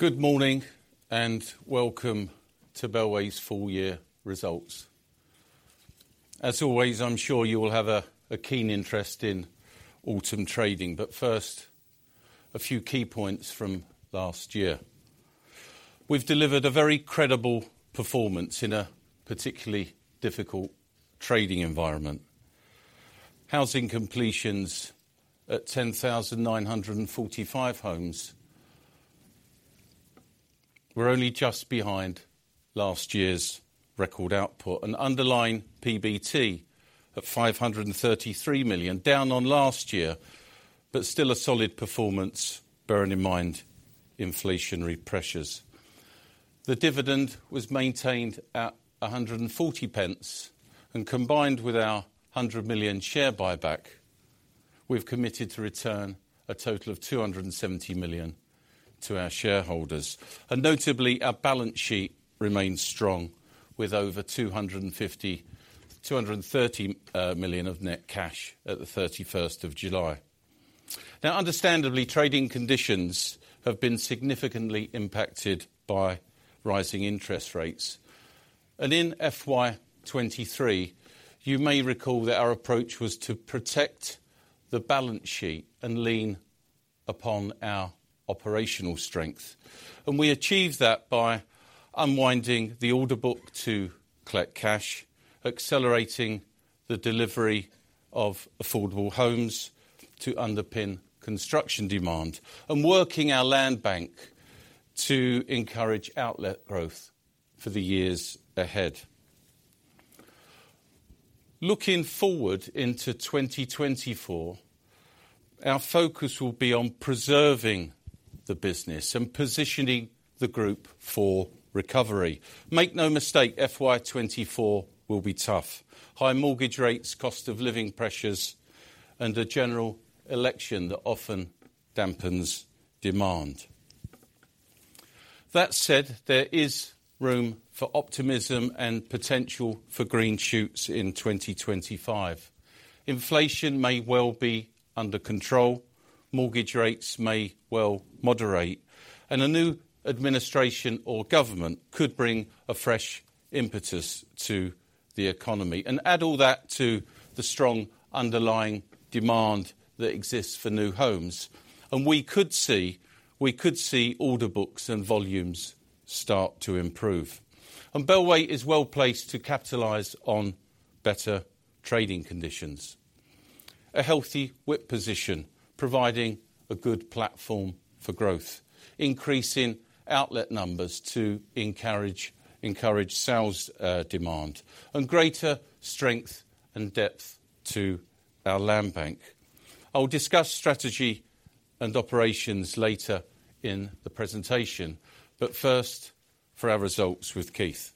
Good morning, and welcome to Bellway's full year results. As always, I'm sure you will have a keen interest in autumn trading, but first, a few key points from last year. We've delivered a very credible performance in a particularly difficult trading environment. Housing completions at 10,945 homes were only just behind last year's record output, and underlying PBT at 533 million, down on last year, but still a solid performance, bearing in mind inflationary pressures. The dividend was maintained at 140 pence, and combined with our 100 million share buyback, we've committed to return a total of 270 million to our shareholders. Notably, our balance sheet remains strong, with over 230 million of net cash at July 31st. Now, understandably, trading conditions have been significantly impacted by rising interest rates. In FY 2023, you may recall that our approach was to protect the balance sheet and lean upon our operational strength. We achieved that by unwinding the order book to collect cash, accelerating the delivery of affordable homes to underpin construction demand, and working our land bank to encourage outlet growth for the years ahead. Looking forward into 2024, our focus will be on preserving the business and positioning the group for recovery. Make no mistake, FY 2024 will be tough. High mortgage rates, cost of living pressures, and a general election that often dampens demand. That said, there is room for optimism and potential for green shoots in 2025. Inflation may well be under control, mortgage rates may well moderate, and a new administration or government could bring a fresh impetus to the economy. Add all that to the strong underlying demand that exists for new homes, and we could see order books and volumes start to improve. Bellway is well placed to capitalize on better trading conditions. A healthy WIP position, providing a good platform for growth, increasing outlet numbers to encourage sales, demand, and greater strength and depth to our land bank. I'll discuss strategy and operations later in the presentation, but first, for our results with Keith.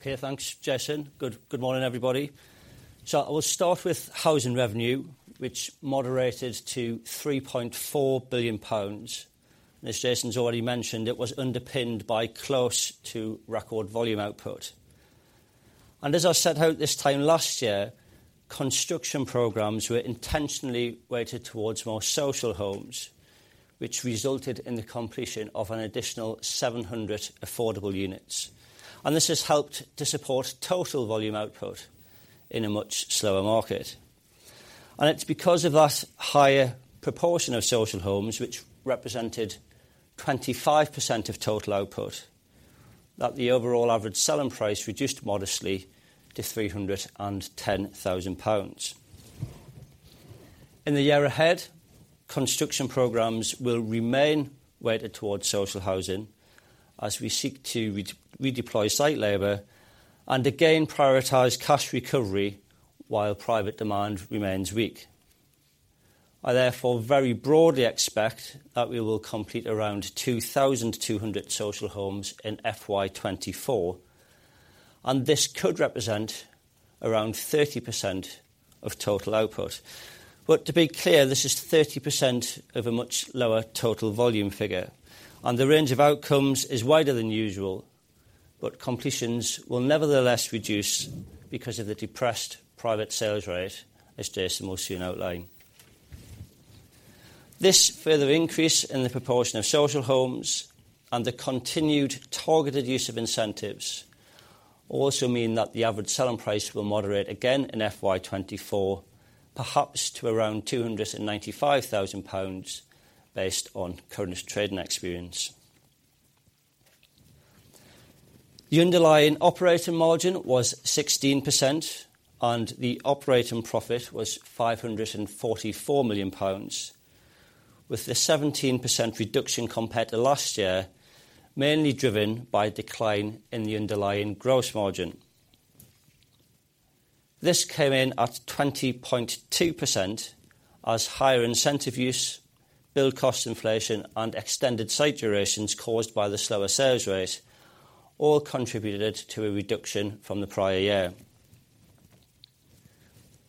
Okay, thanks, Jason. Good morning, everybody. So I will start with housing revenue, which moderated to 3.4 billion pounds. As Jason's already mentioned, it was underpinned by close to record volume output. As I set out this time last year, construction programs were intentionally weighted towards more social homes, which resulted in the completion of an additional 700 affordable units, and this has helped to support total volume output in a much slower market. And it's because of that higher proportion of social homes, which represented 25% of total output, that the overall average selling price reduced modestly to 310,000 pounds. In the year ahead, construction programs will remain weighted towards social housing as we seek to redeploy site labor and again prioritize cash recovery while private demand remains weak. I, therefore, very broadly expect that we will complete around 2,200 social homes in FY 2024, and this could represent around 30% of total output. But to be clear, this is 30% of a much lower total volume figure, and the range of outcomes is wider than usual, but completions will nevertheless reduce because of the depressed private sales rate, as Jason will soon outline. This further increase in the proportion of social homes and the continued targeted use of incentives also mean that the average selling price will moderate again in FY 2024, perhaps to around 295,000 pounds, based on current trading experience. The underlying operating margin was 16%, and the operating profit was 544 million pounds, with a 17% reduction compared to last year, mainly driven by a decline in the underlying gross margin. This came in at 20.2%, as higher incentive use, build cost inflation, and extended site durations caused by the slower sales rate all contributed to a reduction from the prior year.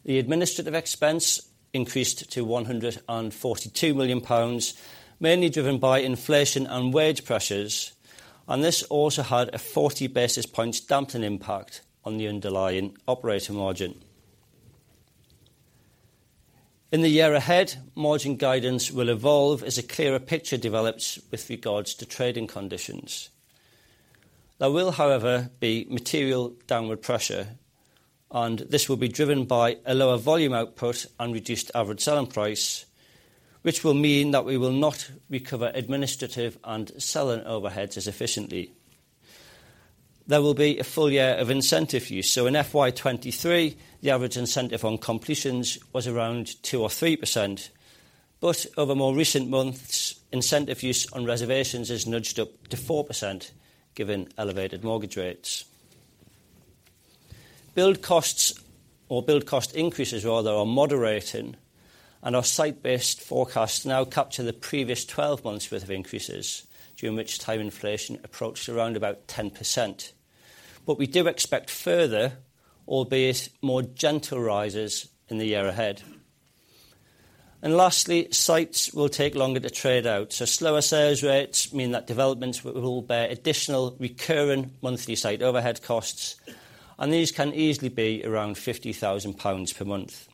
The administrative expense increased to 142 million pounds, mainly driven by inflation and wage pressures, and this also had a 40 basis points damping impact on the underlying operating margin.... In the year ahead, margin guidance will evolve as a clearer picture develops with regards to trading conditions. There will, however, be material downward pressure, and this will be driven by a lower volume output and reduced average selling price, which will mean that we will not recover administrative and selling overheads as efficiently. There will be a full year of incentive fee. So in FY 2023, the average incentive on completions was around 2%-3%, but over more recent months, incentive fees on reservations has nudged up to 4%, given elevated mortgage rates. Build costs or build cost increases rather, are moderating, and our site-based forecasts now capture the previous 12 months worth of increases, during which time inflation approached around about 10%. But we do expect further, albeit more gentle rises in the year ahead. And lastly, sites will take longer to trade out, so slower sales rates mean that developments will bear additional recurring monthly site overhead costs, and these can easily be around 50,000 pounds per month.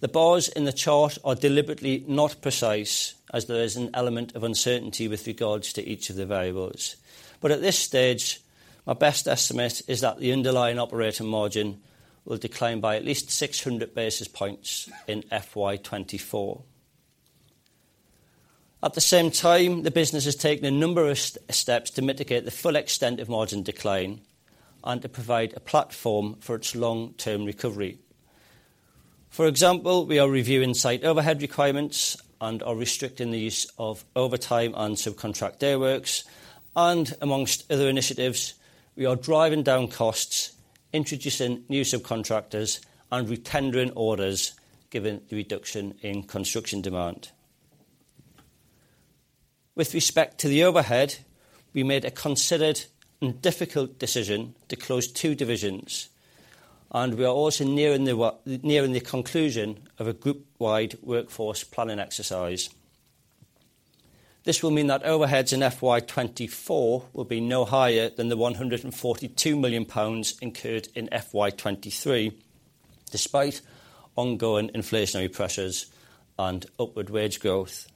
The bars in the chart are deliberately not precise, as there is an element of uncertainty with regards to each of the variables. But at this stage, our best estimate is that the underlying operating margin will decline by at least 600 basis points in FY 2024. At the same time, the business has taken a number of steps to mitigate the full extent of margin decline and to provide a platform for its long-term recovery. For example, we are reviewing site overhead requirements and are restricting the use of overtime and subcontract dayworks, and amongst other initiatives, we are driving down costs, introducing new subcontractors, and retendering orders, given the reduction in construction demand. With respect to the overhead, we made a considered and difficult decision to close two divisions, and we are also nearing the conclusion of a group-wide workforce planning exercise. This will mean that overheads in FY 2024 will be no higher than the 142 million pounds incurred in FY 2023, despite ongoing inflationary pressures and upward wage growth.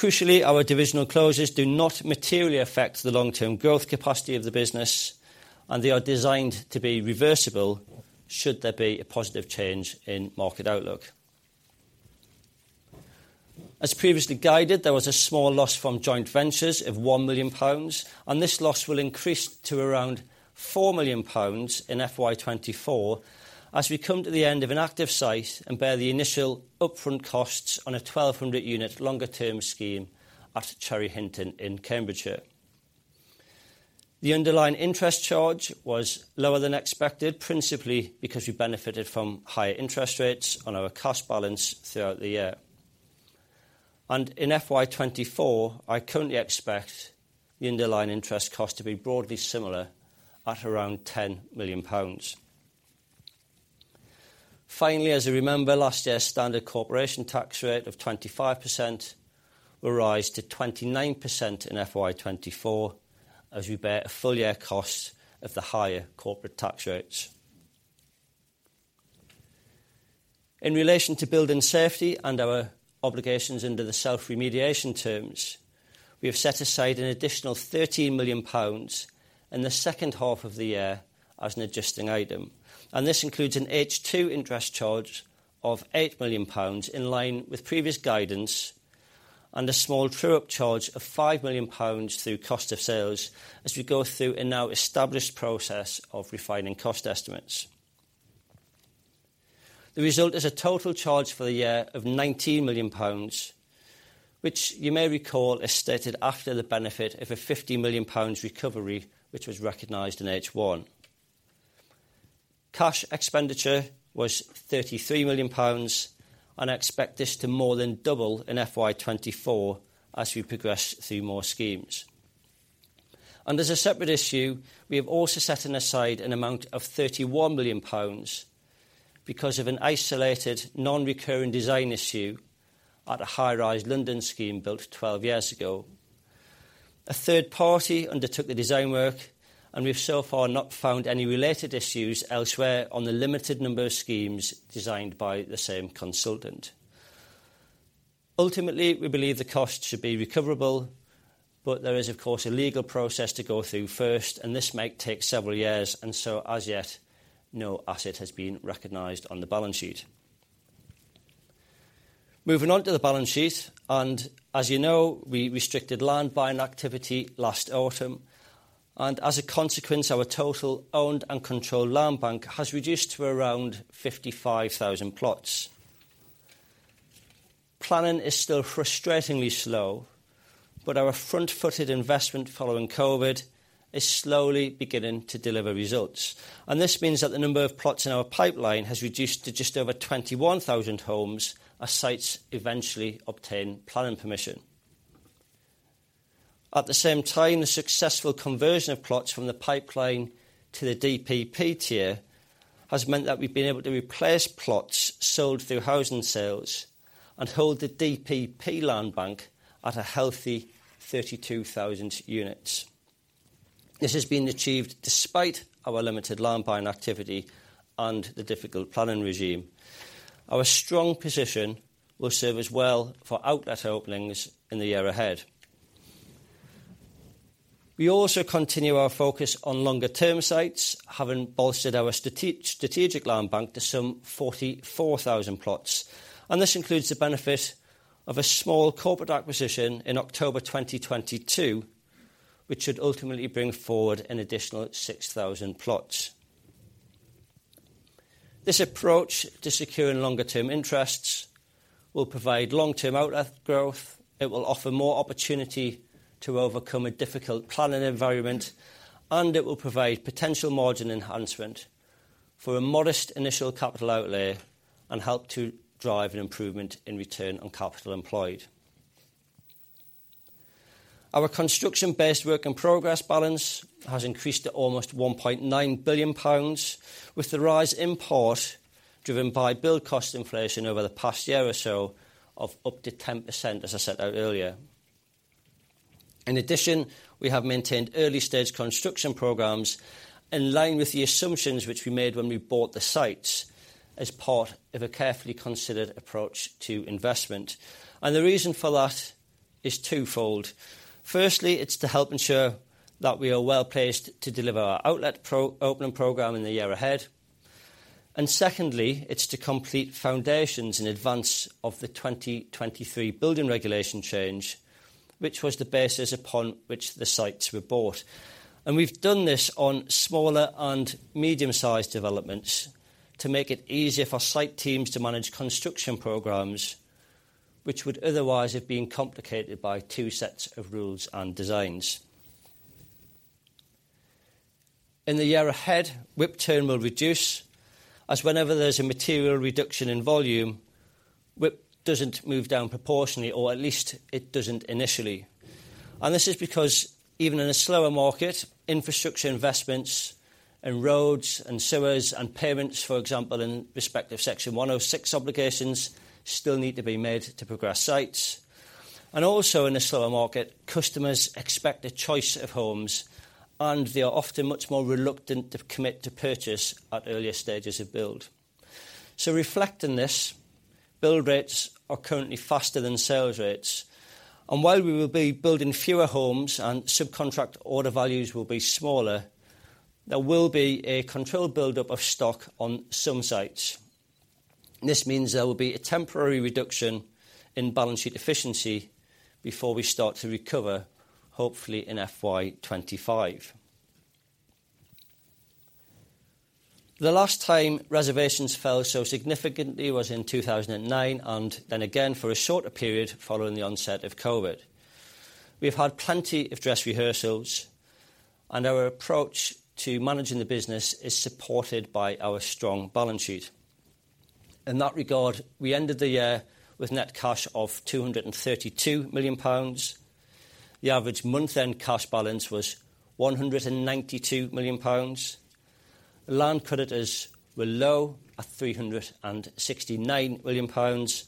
Crucially, our divisional closures do not materially affect the long-term growth capacity of the business, and they are designed to be reversible should there be a positive change in market outlook. As previously guided, there was a small loss from joint ventures of 1 million pounds, and this loss will increase to around 4 million pounds in FY 2024 as we come to the end of an active site and bear the initial upfront costs on a 1,200-unit longer-term scheme at Cherry Hinton in Cambridgeshire. The underlying interest charge was lower than expected, principally because we benefited from higher interest rates on our cost balance throughout the year. In FY 2024, I currently expect the underlying interest cost to be broadly similar at around 10 million pounds. Finally, as you remember, last year's standard corporation tax rate of 25% will rise to 29% in FY 2024, as we bear a full year cost of the higher corporate tax rates. In relation to building safety and our obligations under the self-remediation terms, we have set aside an additional 13 million pounds in the second half of the year as an adjusting item, and this includes an H2 interest charge of 8 million pounds, in line with previous guidance, and a small true-up charge of 5 million pounds through cost of sales as we go through a now established process of refining cost estimates. The result is a total charge for the year of 19 million pounds, which you may recall, is stated after the benefit of a 50 million pounds recovery, which was recognized in H1. Cash expenditure was 33 million pounds, and I expect this to more than double in FY 2024 as we progress through more schemes. As a separate issue, we have also set aside an amount of 31 million pounds because of an isolated, non-recurring design issue at a high-rise London scheme built 12 years ago. A third party undertook the design work, and we've so far not found any related issues elsewhere on the limited number of schemes designed by the same consultant. Ultimately, we believe the cost should be recoverable, but there is, of course, a legal process to go through first, and this might take several years, and so as yet, no asset has been recognized on the balance sheet. Moving on to the balance sheet, and as you know, we restricted land buying activity last autumn, and as a consequence, our total owned and controlled land bank has reduced to around 55,000 plots. Planning is still frustratingly slow, but our front-footed investment following COVID is slowly beginning to deliver results, and this means that the number of plots in our pipeline has reduced to just over 21,000 homes as sites eventually obtain planning permission. At the same time, the successful conversion of plots from the pipeline to the DPP tier has meant that we've been able to replace plots sold through housing sales... Hold the DPP land bank at a healthy 32,000 units. This has been achieved despite our limited land buying activity and the difficult planning regime. Our strong position will serve us well for outlet openings in the year ahead. We also continue our focus on longer term sites, having bolstered our strategic land bank to some 44,000 plots, and this includes the benefit of a small corporate acquisition in October 2022, which should ultimately bring forward an additional 6,000 plots. This approach to securing longer term interests will provide long-term outlet growth, it will offer more opportunity to overcome a difficult planning environment, and it will provide potential margin enhancement for a modest initial capital outlay, and help to drive an improvement in return on capital employed. Our construction-based work in progress balance has increased to almost 1.9 billion pounds, with the rise in part driven by build cost inflation over the past year or so of up to 10%, as I set out earlier. In addition, we have maintained early-stage construction programs in line with the assumptions which we made when we bought the sites, as part of a carefully considered approach to investment. The reason for that is twofold. Firstly, it's to help ensure that we are well-placed to deliver our outlet pre-opening program in the year ahead. Secondly, it's to complete foundations in advance of the 2023 building regulation change, which was the basis upon which the sites were bought. We've done this on smaller and medium-sized developments to make it easier for site teams to manage construction programs, which would otherwise have been complicated by two sets of rules and designs. In the year ahead, WIP turn will reduce, as whenever there's a material reduction in volume, WIP doesn't move down proportionately, or at least it doesn't initially. This is because even in a slower market, infrastructure investments in roads and sewers and pavements, for example, in respective Section 106 obligations, still need to be made to progress sites. Also in a slower market, customers expect a choice of homes, and they are often much more reluctant to commit to purchase at earlier stages of build. So reflecting this, build rates are currently faster than sales rates, and while we will be building fewer homes and subcontract order values will be smaller, there will be a controlled buildup of stock on some sites. This means there will be a temporary reduction in balance sheet efficiency before we start to recover, hopefully in FY 2025. The last time reservations fell so significantly was in 2009, and then again for a shorter period following the onset of COVID. We've had plenty of dress rehearsals, and our approach to managing the business is supported by our strong balance sheet. In that regard, we ended the year with net cash of 232 million pounds. The average month-end cash balance was 192 million pounds. Land creditors were low at 369 million pounds,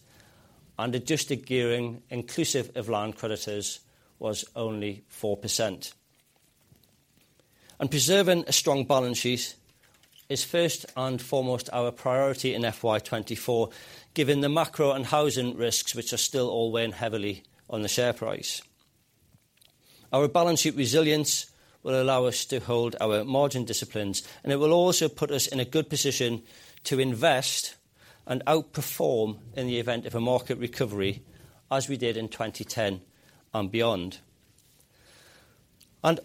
and adjusted gearing, inclusive of land creditors, was only 4%. Preserving a strong balance sheet is first and foremost our priority in FY 2024, given the macro and housing risks which are still all weighing heavily on the share price. Our balance sheet resilience will allow us to hold our margin disciplines, and it will also put us in a good position to invest and outperform in the event of a market recovery, as we did in 2010 and beyond.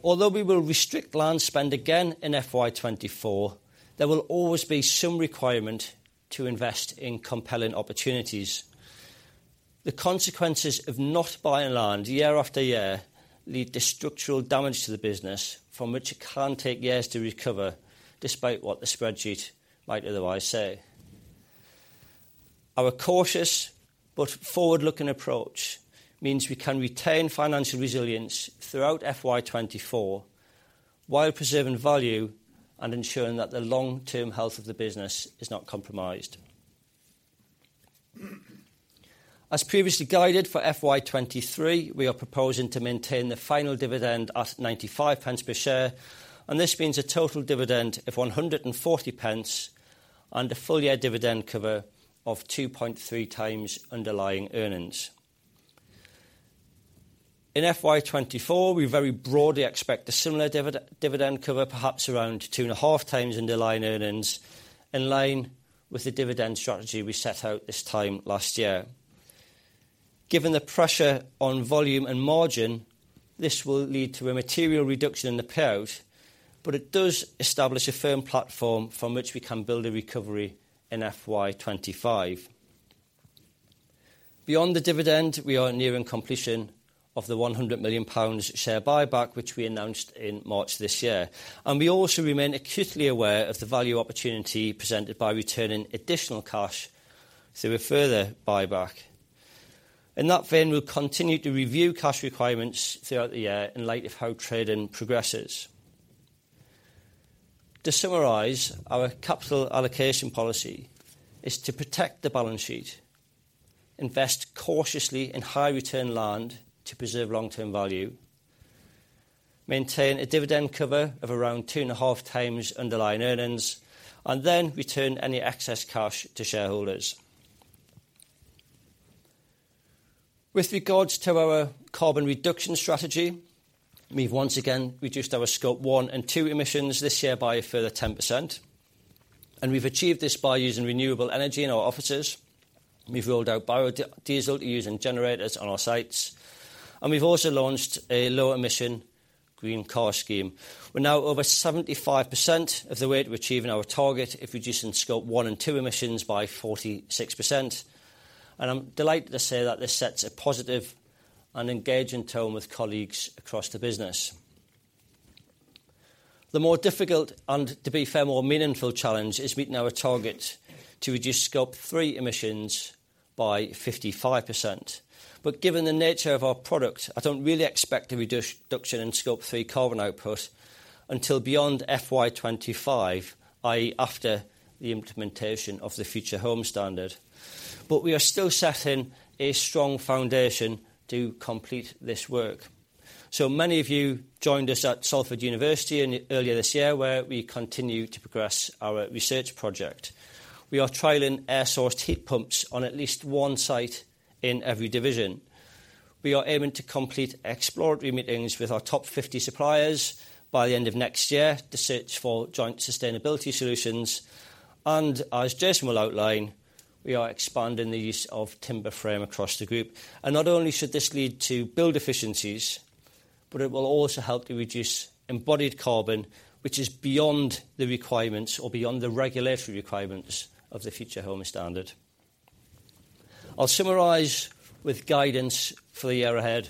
Although we will restrict land spend again in FY 2024, there will always be some requirement to invest in compelling opportunities. The consequences of not buying land year after year lead to structural damage to the business, from which it can take years to recover, despite what the spreadsheet might otherwise say. Our cautious but forward-looking approach means we can retain financial resilience throughout FY 2024, while preserving value and ensuring that the long-term health of the business is not compromised. As previously guided for FY 2023, we are proposing to maintain the final dividend at 0.95 per share, and this means a total dividend of 1.40 and a full-year dividend cover of 2.3x underlying earnings. In FY 2024, we very broadly expect a similar dividend cover, perhaps around 2.5x underlying earnings, in line with the dividend strategy we set out this time last year. Given the pressure on volume and margin, this will lead to a material reduction in the payout, but it does establish a firm platform from which we can build a recovery in FY 2025. Beyond the dividend, we are nearing completion of the 100 million pounds share buyback, which we announced in March this year, and we also remain acutely aware of the value opportunity presented by returning additional cash through a further buyback. In that vein, we'll continue to review cash requirements throughout the year in light of how trading progresses. To summarize, our capital allocation policy is to protect the balance sheet, invest cautiously in high return land to preserve long-term value, maintain a dividend cover of around 2.5x underlying earnings, and then return any excess cash to shareholders. With regards to our carbon reduction strategy, we've once again reduced our Scope 1 and 2 emissions this year by a further 10%, and we've achieved this by using renewable energy in our offices. We've rolled out biodiesel to use in generators on our sites, and we've also launched a low-emission green car scheme. We're now over 75% of the way to achieving our target of reducing Scope 1 and 2 emissions by 46%. I'm delighted to say that this sets a positive and engaging tone with colleagues across the business. The more difficult, and to be fair, more meaningful challenge, is meeting our target to reduce Scope 3 emissions by 55%. Given the nature of our product, I don't really expect a reduction in Scope 3 carbon output until beyond FY 2025, i.e., after the implementation of the Future Homes Standard. We are still setting a strong foundation to complete this work. Many of you joined us at Salford University earlier this year, where we continue to progress our research project. We are trialing air source heat pumps on at least one site in every division. We are aiming to complete exploratory meetings with our top 50 suppliers by the end of next year to search for joint sustainability solutions. As Jason will outline, we are expanding the use of timber frame across the group. Not only should this lead to build efficiencies, but it will also help to reduce embodied carbon, which is beyond the requirements or beyond the regulatory requirements of the Future Homes Standard. I'll summarize with guidance for the year ahead.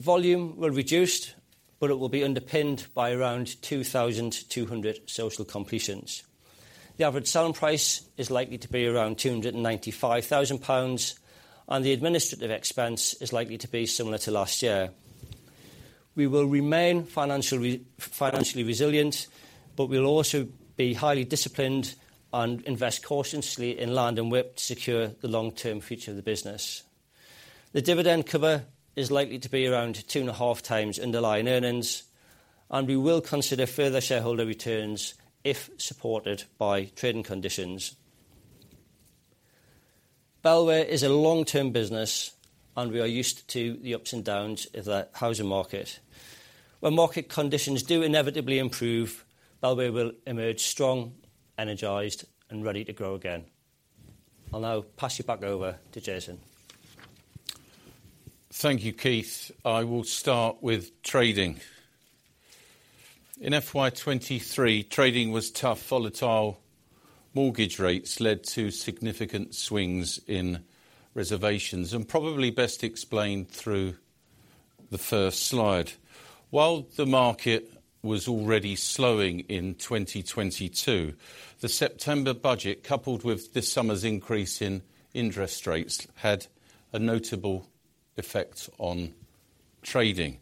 Volume will reduce, but it will be underpinned by around 2,200 social completions. The average selling price is likely to be around 295,000 pounds, and the administrative expense is likely to be similar to last year. We will remain financially resilient, but we'll also be highly disciplined and invest cautiously in land and work to secure the long-term future of the business. The dividend cover is likely to be around 2.5x underlying earnings, and we will consider further shareholder returns if supported by trading conditions. Bellway is a long-term business, and we are used to the ups and downs of the housing market. When market conditions do inevitably improve, Bellway will emerge strong, energized, and ready to grow again. I'll now pass you back over to Jason. Thank you, Keith. I will start with trading. In FY 2023, trading was tough. Volatile mortgage rates led to significant swings in reservations, and probably best explained through the first slide. While the market was already slowing in 2022, the September budget, coupled with this summer's increase in interest rates, had a notable effect on trading.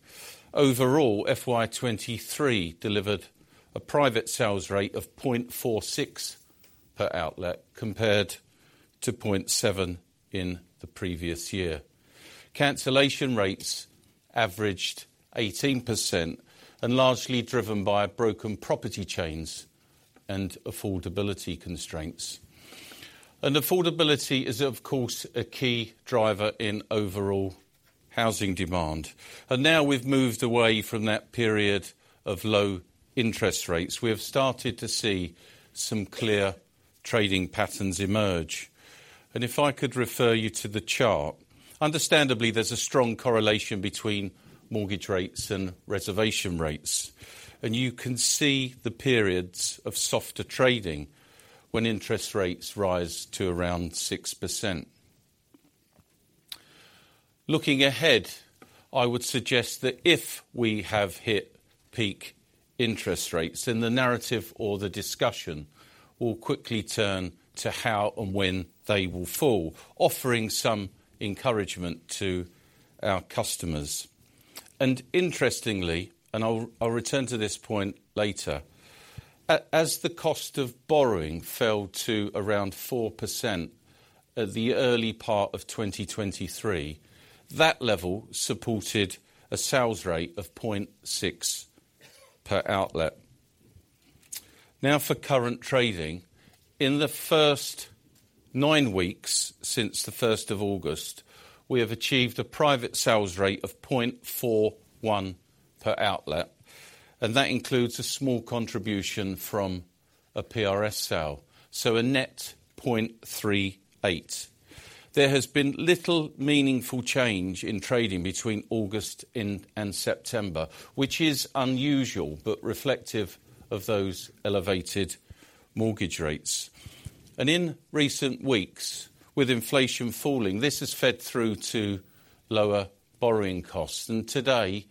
Overall, FY 2023 delivered a private sales rate of 0.46 per outlet, compared to 0.7 in the previous year. Cancellation rates averaged 18%, and largely driven by broken property chains and affordability constraints. And affordability is, of course, a key driver in overall housing demand, and now we've moved away from that period of low interest rates. We have started to see some clear trading patterns emerge. If I could refer you to the chart, understandably, there's a strong correlation between mortgage rates and reservation rates, and you can see the periods of softer trading when interest rates rise to around 6%. Looking ahead, I would suggest that if we have hit peak interest rates, then the narrative or the discussion will quickly turn to how and when they will fall, offering some encouragement to our customers. And interestingly, I'll return to this point later, as the cost of borrowing fell to around 4% at the early part of 2023, that level supported a sales rate of 0.6 per outlet. Now, for current trading. In the first nine weeks, since the first of August, we have achieved a private sales rate of 0.41 per outlet, and that includes a small contribution from a PRS sale, so a net 0.38. There has been little meaningful change in trading between August and September, which is unusual, but reflective of those elevated mortgage rates. And in recent weeks, with inflation falling, this has fed through to lower borrowing costs, and today,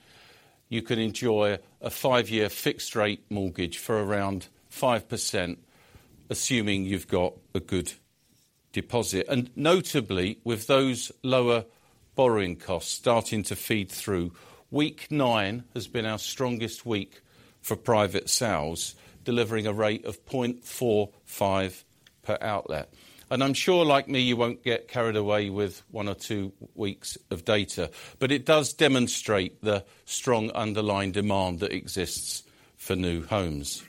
you can enjoy a five-year fixed rate mortgage for around 5%, assuming you've got a good credit deposit. And notably, with those lower borrowing costs starting to feed through, week 9 has been our strongest week for private sales, delivering a rate of 0.45 per outlet. I'm sure, like me, you won't get carried away with one or two weeks of data, but it does demonstrate the strong underlying demand that exists for new homes.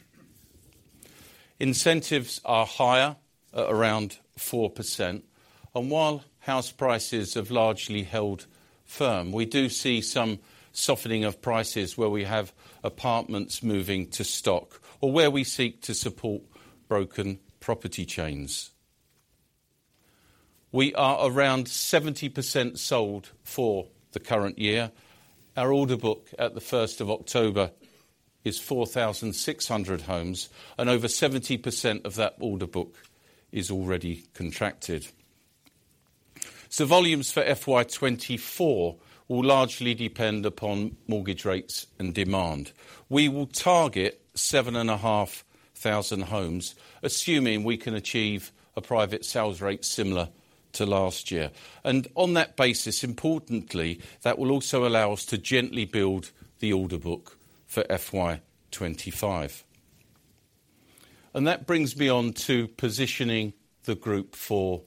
Incentives are higher, at around 4%, and while house prices have largely held firm, we do see some softening of prices where we have apartments moving to stock or where we seek to support broken property chains. We are around 70% sold for the current year. Our order book at the first of October is 4,600 homes, and over 70% of that order book is already contracted. Volumes for FY 2024 will largely depend upon mortgage rates and demand. We will target 7,500 homes, assuming we can achieve a private sales rate similar to last year. On that basis, importantly, that will also allow us to gently build the order book for FY 2025. That brings me on to positioning the group for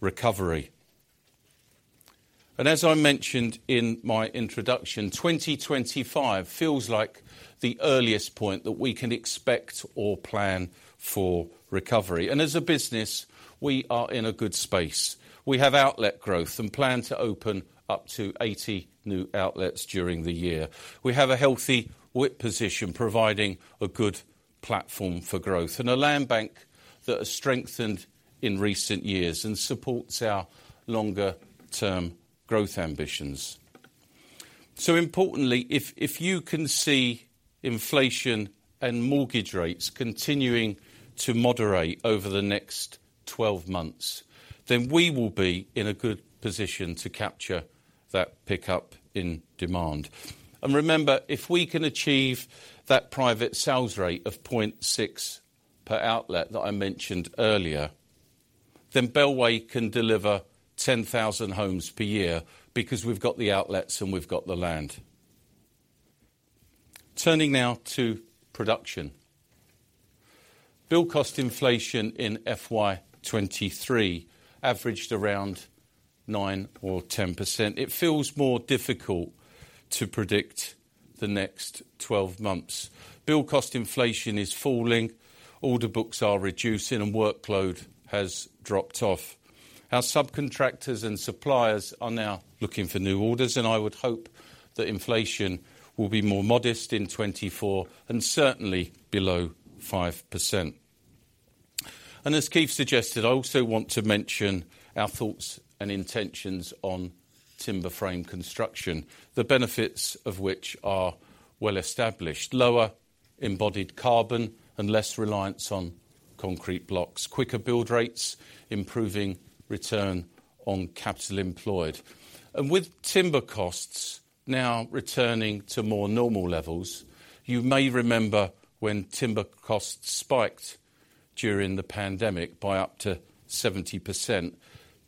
recovery. As I mentioned in my introduction, 2025 feels like the earliest point that we can expect or plan for recovery. As a business, we are in a good space. We have outlet growth and plan to open up to 80 new outlets during the year. We have a healthy WIP position, providing a good platform for growth, and a land bank that has strengthened in recent years and supports our longer term growth ambitions. So importantly, if, if you can see inflation and mortgage rates continuing to moderate over the next 12 months, then we will be in a good position to capture that pickup in demand. And remember, if we can achieve that private sales rate of 0.6 per outlet that I mentioned earlier, then Bellway can deliver 10,000 homes per year because we've got the outlets and we've got the land. Turning now to production. Build cost inflation in FY 2023 averaged around 9% or 10%. It feels more difficult to predict the next 12 months. Build cost inflation is falling, order books are reducing, and workload has dropped off. Our subcontractors and suppliers are now looking for new orders, and I would hope that inflation will be more modest in 2024 and certainly below 5%. And as Keith suggested, I also want to mention our thoughts and intentions on timber frame construction, the benefits of which are well established. Lower embodied carbon and less reliance on concrete blocks, quicker build rates, improving return on capital employed. With timber costs now returning to more normal levels, you may remember when timber costs spiked during the pandemic by up to 70%.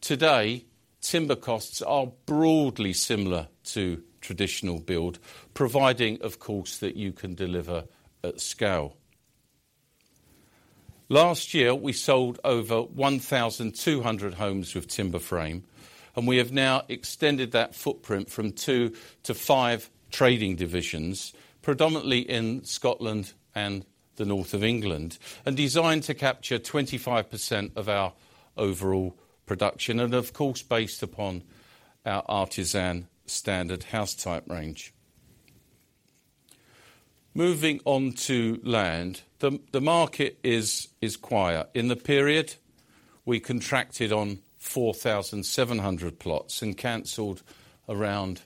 Today, timber costs are broadly similar to traditional build, providing, of course, that you can deliver at scale. Last year, we sold over 1,200 homes with timber frame, and we have now extended that footprint from two to five trading divisions, predominantly in Scotland and the north of England, and designed to capture 25% of our overall production, and of course, based upon our Artisan standard house type range. Moving on to land, the market is quiet. In the period, we contracted on 4,700 plots and canceled around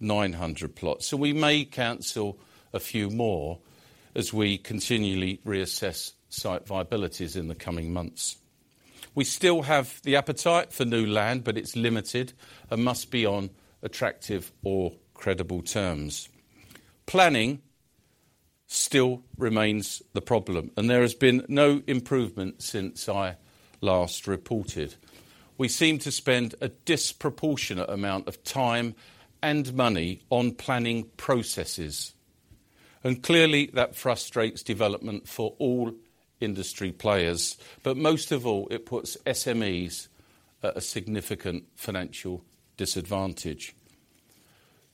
900 plots. We may cancel a few more as we continually reassess site viabilities in the coming months. We still have the appetite for new land, but it's limited and must be on attractive or credible terms. Planning still remains the problem, and there has been no improvement since I last reported. We seem to spend a disproportionate amount of time and money on planning processes, and clearly, that frustrates development for all industry players. Most of all, it puts SMEs at a significant financial disadvantage.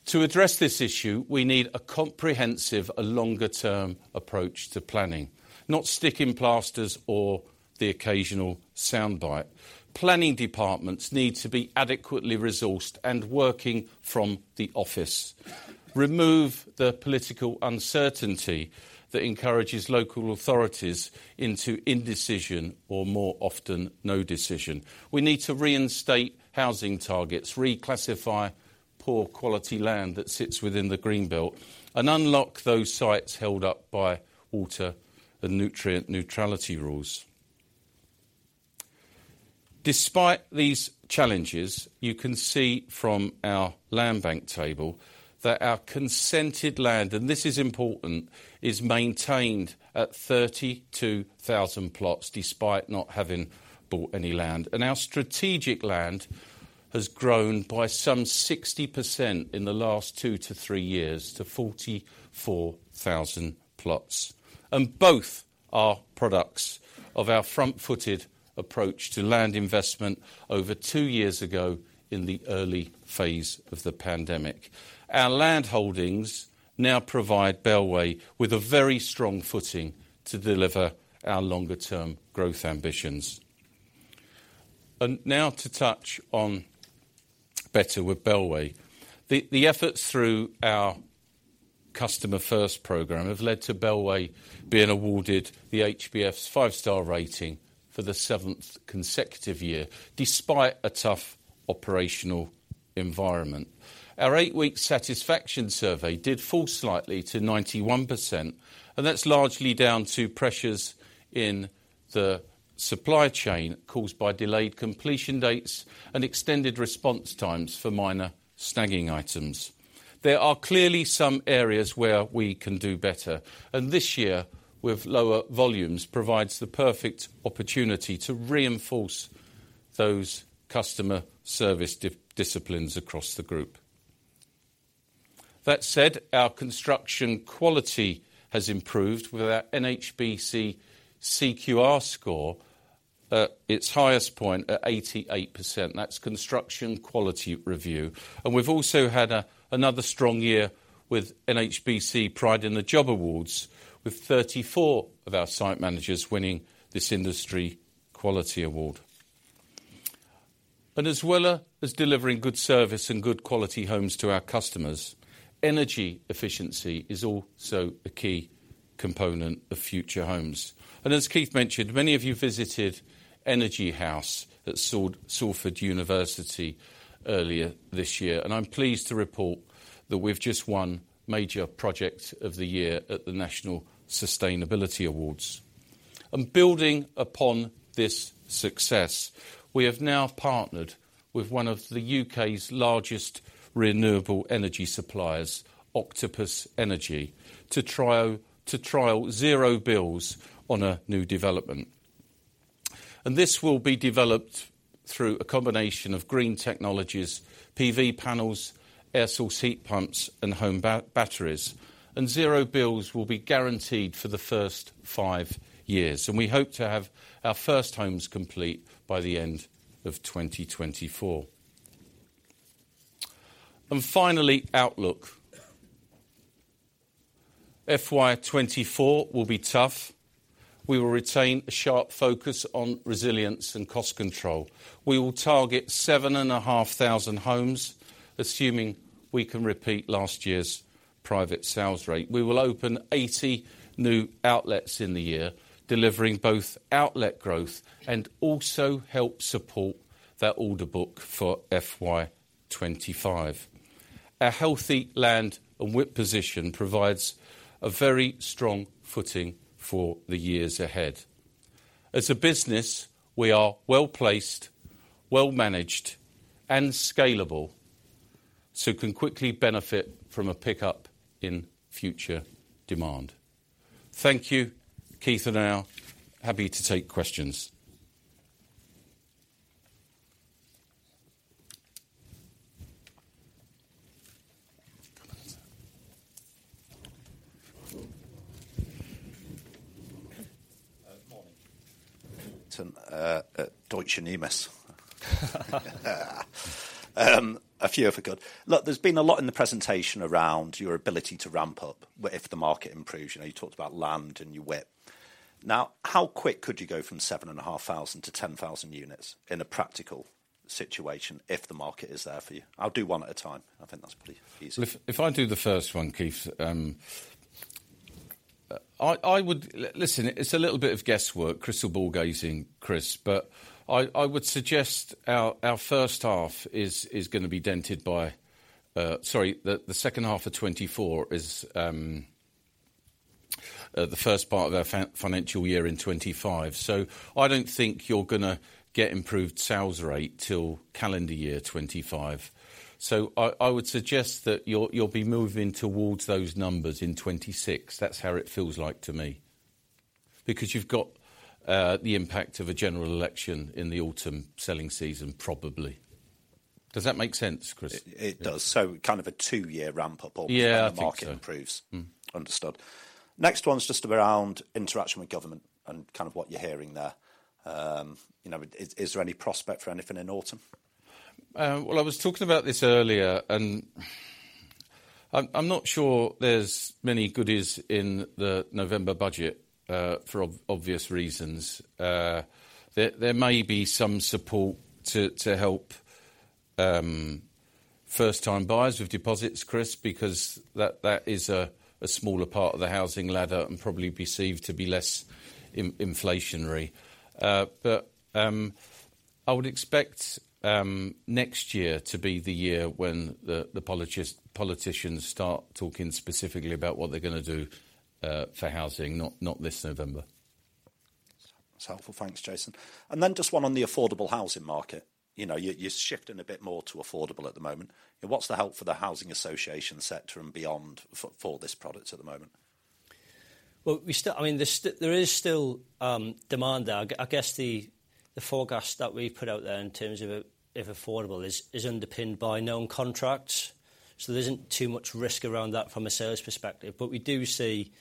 To address this issue, we need a comprehensive and longer term approach to planning, not sticking plasters or the occasional soundbite. Planning departments need to be adequately resourced and working from the office. Remove the political uncertainty that encourages local authorities into indecision or more often, no decision. We need to reinstate housing targets, reclassify poor quality land that sits within the Green Belt, and unlock those sites held up by water and nutrient neutrality rules... Despite these challenges, you can see from our land bank table that our consented land, and this is important, is maintained at 32,000 plots, despite not having bought any land. Our strategic land has grown by some 60% in the last two to three years to 44,000 plots. Both are products of our front-footed approach to land investment over two years ago, in the early phase of the pandemic. Our land holdings now provide Bellway with a very strong footing to deliver our longer term growth ambitions. Now to touch on Better with Bellway. The efforts through our customer first program have led to Bellway being awarded the HBF's five-star rating for the 7th consecutive year, despite a tough operational environment. Our eight-week satisfaction survey did fall slightly to 91%, and that's largely down to pressures in the supply chain, caused by delayed completion dates and extended response times for minor snagging items. There are clearly some areas where we can do better, and this year, with lower volumes, provides the perfect opportunity to reinforce those customer service disciplines across the group. That said, our construction quality has improved with our NHBC CQR score at its highest point, at 88%. That's Construction Quality Review. And we've also had another strong year with NHBC Pride in the Job Awards, with 34 of our site managers winning this industry quality award. And as well as delivering good service and good quality homes to our customers, energy efficiency is also a key component of future homes. As Keith mentioned, many of you visited Energy House at Salford University earlier this year, and I'm pleased to report that we've just won Major Project of the Year at the National Sustainability Awards. Building upon this success, we have now partnered with one of the UK's largest renewable energy suppliers, Octopus Energy, to trial Zero Bills on a new development. This will be developed through a combination of green technologies, PV panels, air source heat pumps, and home batteries. Zero Bills will be guaranteed for the first five years, and we hope to have our first homes complete by the end of 2024. Finally, outlook. FY 2024 will be tough. We will retain a sharp focus on resilience and cost control. We will target 7,500 homes, assuming we can repeat last year's private sales rate. We will open 80 new outlets in the year, delivering both outlet growth and also help support that order book for FY 2025. A healthy land and WIP position provides a very strong footing for the years ahead. As a business, we are well-placed, well-managed, and scalable, so we can quickly benefit from a pickup in future demand. Thank you. Keith and I are happy to take questions. Morning. Deutsche Bank. A few for good. Look, there's been a lot in the presentation around your ability to ramp up if the market improves. You know, you talked about land and your WIP. Now, how quick could you go from 7,500 to 10,000 units in a practical situation if the market is there for you? I'll do one at a time. I think that's pretty easy. If I do the first one, Keith, listen, it's a little bit of guesswork, crystal ball gazing, Chris, but I would suggest our first half is gonna be dented by, sorry, the second half of 2024 is the first part of our financial year in 2025. So I don't think you're gonna get improved sales rate till calendar year 2025. So I would suggest that you'll be moving towards those numbers in 2026. That's how it feels like to me. Because you've got the impact of a general election in the autumn selling season, probably. Does that make sense, Chris? It does. Kind of a two year ramp up- Yeah, I think so.... when the market improves. Mm. Understood. Next one's just around interaction with government and kind of what you're hearing there. You know, is there any prospect for anything in autumn? Well, I was talking about this earlier, and I'm not sure there's many goodies in the November budget, for obvious reasons, there may be some support to help first-time buyers with deposits, Chris, because that is a smaller part of the housing ladder and probably perceived to be less inflationary. But, I would expect next year to be the year when the politicians start talking specifically about what they're gonna do for housing, not this November. That's helpful. Thanks, Jason. And then just one on the affordable housing market. You know, you're shifting a bit more to affordable at the moment. What's the help for the housing association sector and beyond for this product at the moment? Well, we still, I mean, there is still demand there. I guess the forecast that we've put out there in terms of affordable is underpinned by known contracts, so there isn't too much risk around that from a sales perspective. But we do see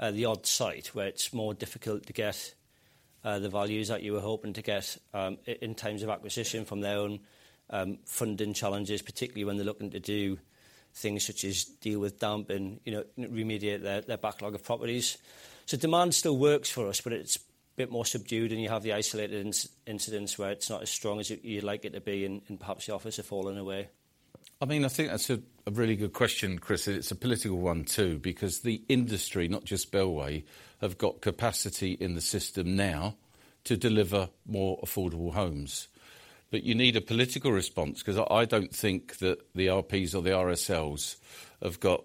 the odd site where it's more difficult to get the values that you were hoping to get in terms of acquisition from their own funding challenges, particularly when they're looking to do things such as deal with damp and, you know, remediate their backlog of properties. So demand still works for us, but it's a bit more subdued, and you have the isolated incidents where it's not as strong as you'd like it to be, and perhaps the offers have fallen away. I mean, I think that's a really good question, Chris, and it's a political one, too. Because the industry, not just Bellway, have got capacity in the system now to deliver more affordable homes. But you need a political response, 'cause I don't think that the RPs or the RSLs have got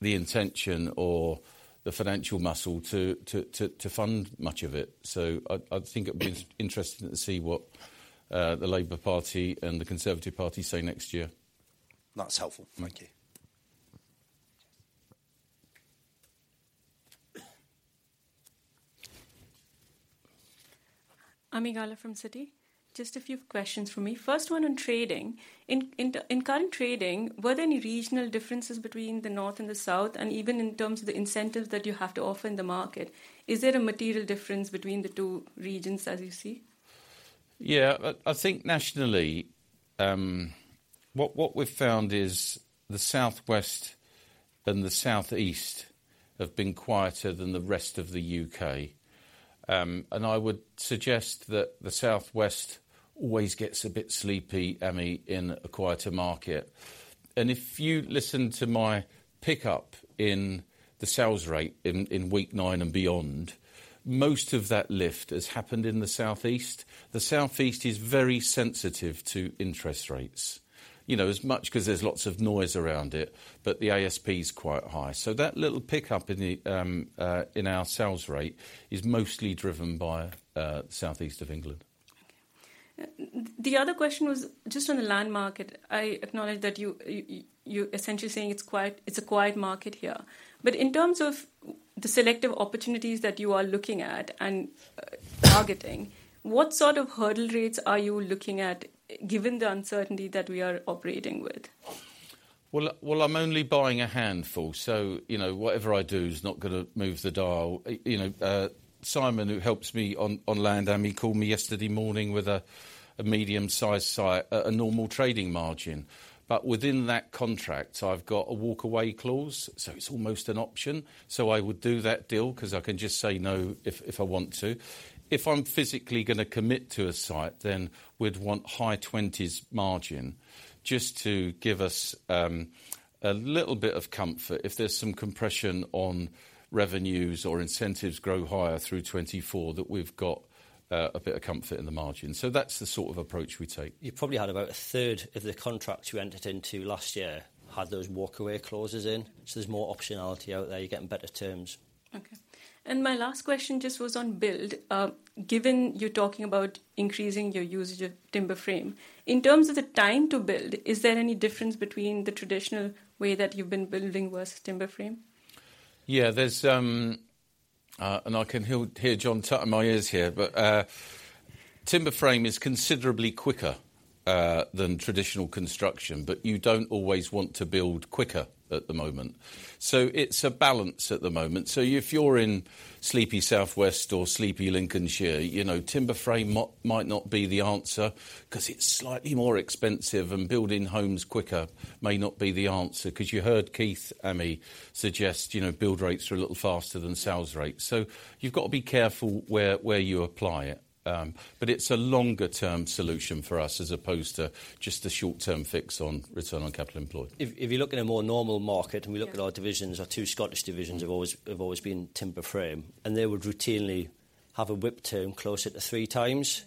the intention or the financial muscle to fund much of it. So I think it would be interesting to see what the Labour Party and the Conservative Party say next year. That's helpful. Thank you. Ami Galla from Citi. Just a few questions for me. First one on trading. In current trading, were there any regional differences between the north and the south? And even in terms of the incentives that you have to offer in the market, is there a material difference between the two regions, as you see? Yeah, I think nationally, what we've found is the southwest and the southeast have been quieter than the rest of the UK. I would suggest that the southwest always gets a bit sleepy, Amy, in a quieter market. If you listen to my pickup in the sales rate in week 9 and beyond, most of that lift has happened in the southeast. The southeast is very sensitive to interest rates, you know, as much 'cause there's lots of noise around it, but the ASP is quite high. So that little pickup in our sales rate is mostly driven by southeast of England. Okay. The other question was just on the land market. I acknowledge that you, you're essentially saying it's quiet, it's a quiet market here. But in terms of the selective opportunities that you are looking at and, targeting, what sort of hurdle rates are you looking at, given the uncertainty that we are operating with? Well, well, I'm only buying a handful, so, you know, whatever I do is not gonna move the dial. You know, Simon, who helps me on land, Amy, called me yesterday morning with a medium-sized site, a normal trading margin. But within that contract, I've got a walkaway clause, so it's almost an option. So I would do that deal 'cause I can just say no if I want to. If I'm physically gonna commit to a site, then we'd want high twenties margin, just to give us a little bit of comfort if there's some compression on revenues or incentives grow higher through 2024, that we've got a bit of comfort in the margin. So that's the sort of approach we take. You probably had about a third of the contracts you entered into last year, had those walkaway clauses in. So there's more optionality out there. You're getting better terms. Okay. My last question just was on build. Given you're talking about increasing your usage of timber frame, in terms of the time to build, is there any difference between the traditional way that you've been building versus timber frame? Yeah, there's... And I can hear John tutting in my ears here, but timber frame is considerably quicker than traditional construction, but you don't always want to build quicker at the moment. So it's a balance at the moment. So if you're in sleepy southwest or sleepy Lincolnshire, you know, timber frame might not be the answer, 'cause it's slightly more expensive, and building homes quicker may not be the answer, 'cause you heard Keith, Amy, suggest, you know, build rates are a little faster than sales rates. So you've got to be careful where you apply it. But it's a longer term solution for us, as opposed to just a short-term fix on return on capital employed. If you look in a more normal market, and we look at our divisions, our two Scottish divisions have always been timber frame, and they would routinely have a WIP term closer to 3x.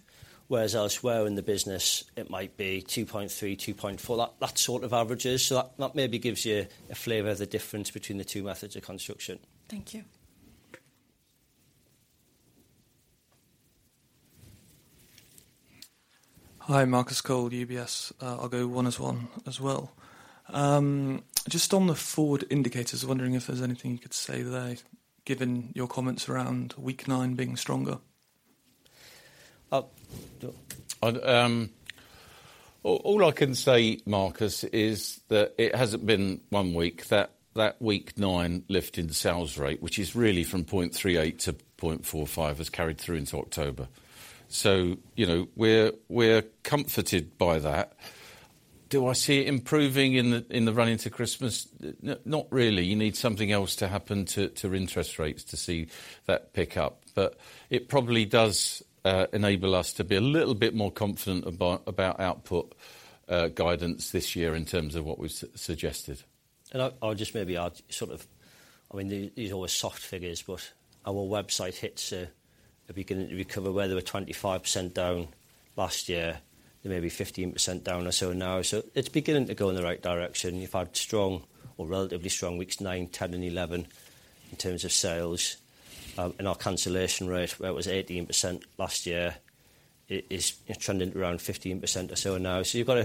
Whereas elsewhere in the business, it might be 2.3, 2.4, that sort of averages. So that maybe gives you a flavor of the difference between the two methods of construction. Thank you. Hi, Marcus Cole, UBS. I'll go one as one as well. Just on the forward indicators, I was wondering if there's anything you could say there, given your comments around week nine being stronger? All I can say, Marcus, is that it hasn't been one week. That week nine lift in the sales rate, which is really from 0.38 to 0.45, has carried through into October. So, you know, we're comforted by that. Do I see it improving in the run into Christmas? Not really. You need something else to happen to interest rates to see that pick up. But it probably does enable us to be a little bit more confident about output guidance this year in terms of what we suggested. I'll just maybe add sort of... I mean, these are always soft figures, but our website hits are beginning to recover, where they were 25% down last year, they may be 15% down or so now. So it's beginning to go in the right direction. We've had strong or relatively strong weeks 9, 10, and 11, in terms of sales. And our cancellation rate, where it was 18% last year, it is trending around 15% or so now. So you've got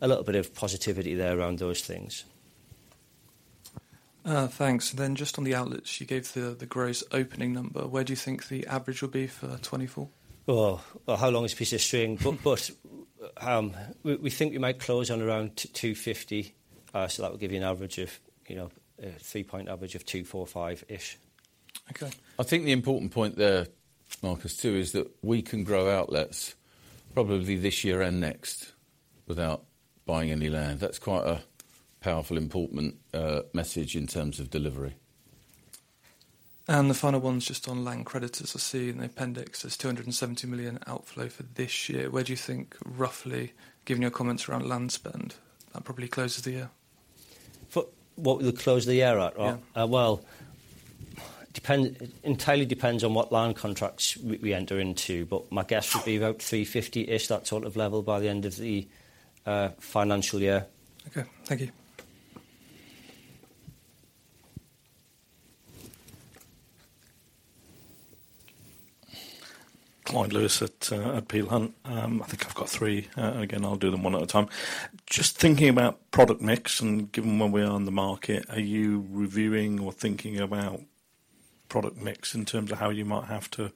a little bit of positivity there around those things. Thanks. Just on the outlets, you gave the gross opening number. Where do you think the average will be for 2024? Oh, well, how long is a piece of string? But we think we might close on around 250, so that will give you an average of, you know, a three-point average of 245-ish. Okay. I think the important point there, Marcus, too, is that we can grow outlets probably this year and next without buying any land. That's quite a powerful, important, message in terms of delivery. And the final one is just on land credits, as I see in the appendix, there's 270 million outflow for this year. Where do you think, roughly, given your comments around land spend, that probably closes the year? For what we would close the year at? Yeah. Well, depends... entirely depends on what land contracts we, we enter into, but my guess would be about 350ish, that sort of level by the end of the financial year. Okay, thank you. Clyde Lewis at Peel Hunt. I think I've got three. Again, I'll do them one at a time. Just thinking about product mix and given where we are in the market, are you reviewing or thinking about product mix in terms of how you might have to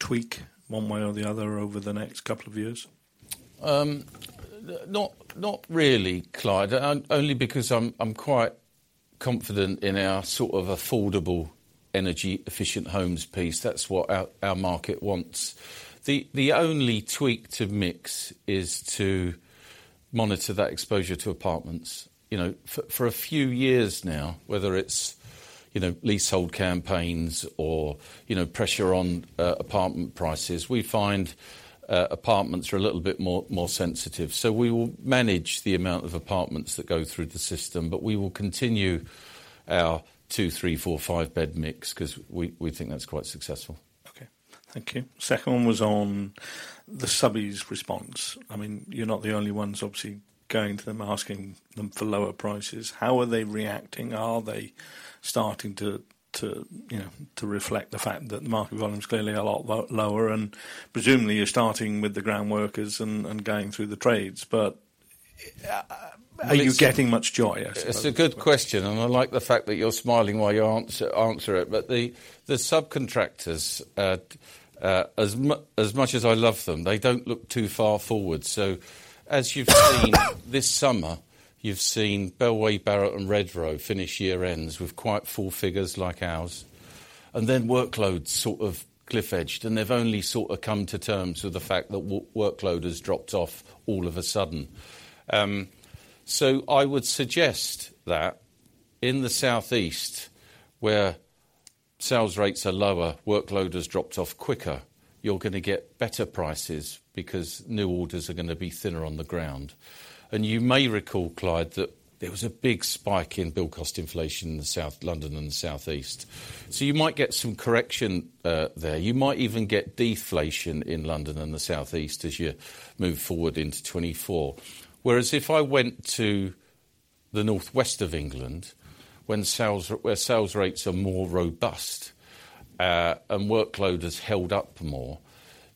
tweak one way or the other over the next couple of years? Not, not really, Clyde. Only because I'm, I'm quite confident in our sort of affordable energy efficient homes piece. That's what our, our market wants. The, the only tweak to mix is to monitor that exposure to apartments. You know, for, for a few years now, whether it's, you know, leasehold campaigns or, you know, pressure on, uh, apartment prices, we find, uh, apartments are a little bit more, more sensitive. So we will manage the amount of apartments that go through the system, but we will continue our two, three, four, five bed mix 'cause we, we think that's quite successful. Okay, thank you. Second one was on the subbies response. I mean, you're not the only ones, obviously, going to them, asking them for lower prices. How are they reacting? Are they starting to, you know, reflect the fact that the market volume is clearly a lot lower, and presumably, you're starting with the ground workers and going through the trades, but are you getting much joy, I suppose? It's a good question, and I like the fact that you're smiling while you answer it. But the subcontractors, as much as I love them, they don't look too far forward. So as you've seen this summer, you've seen Bellway, Barratt, and Redrow finish year-ends with quite full figures like ours, and then workloads sort of cliff-edged, and they've only sort of come to terms with the fact that workload has dropped off all of a sudden. So I would suggest that in the Southeast, where sales rates are lower, workload has dropped off quicker, you're gonna get better prices because new orders are gonna be thinner on the ground. And you may recall, Clyde, that there was a big spike in build cost inflation in the South London and the Southeast. So you might get some correction there. You might even get deflation in London and the Southeast as you move forward into 2024. Whereas if I went to the northwest of England, when sales... where sales rates are more robust, and workload has held up more,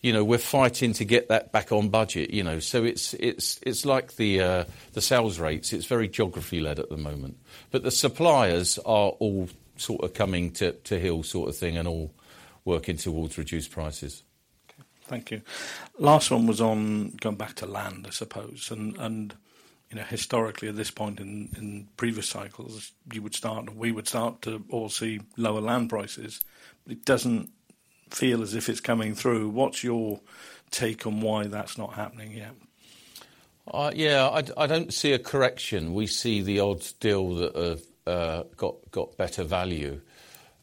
you know, we're fighting to get that back on budget, you know. So it's, it's, it's like the, the sales rates, it's very geography-led at the moment. But the suppliers are all sort of coming to, to heel sort of thing, and all working towards reduced prices. Thank you. Last one was on going back to land, I suppose, and you know, historically, at this point in previous cycles, we would start to all see lower land prices. It doesn't feel as if it's coming through. What's your take on why that's not happening yet? Yeah, I don't see a correction. We see the odd deal that got better value.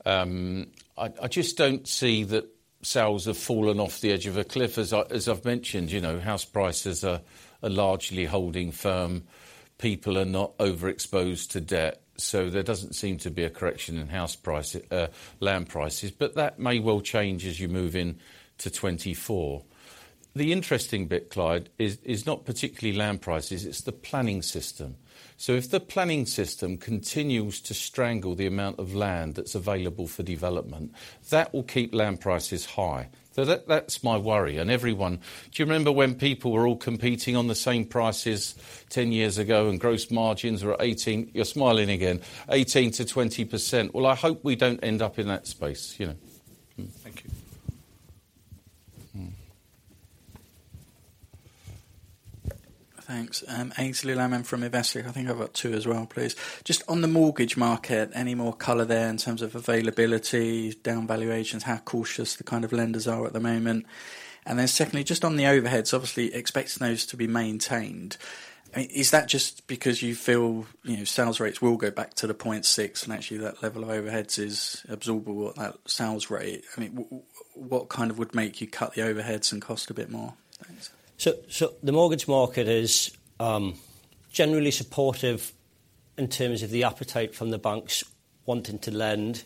I just don't see that sales have fallen off the edge of a cliff. As I've mentioned, you know, house prices are largely holding firm. People are not overexposed to debt, so there doesn't seem to be a correction in house prices, land prices, but that may well change as you move into 2024. The interesting bit, Clyde, is not particularly land prices, it's the planning system. So if the planning system continues to strangle the amount of land that's available for development, that will keep land prices high. So that's my worry. Everyone, do you remember when people were all competing on the same prices 10 years ago, and gross margins were 18... You're smiling again, 18%-20%? Well, I hope we don't end up in that space, you know. Thank you. Mm. Thanks. Aynsley Lammin from Investec. I think I've got two as well, please. Just on the mortgage market, any more color there in terms of availability, down valuations, how cautious the kind of lenders are at the moment? And then secondly, just on the overheads, obviously, expects those to be maintained. I mean, is that just because you feel, you know, sales rates will go back to the 0.6, and actually, that level of overheads is absorbable at that sales rate? I mean, what kind of would make you cut the overheads and cost a bit more? So, so the mortgage market is generally supportive in terms of the appetite from the banks wanting to lend,